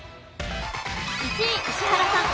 １位石原さん